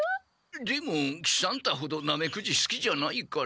でも喜三太ほどナメクジすきじゃないから。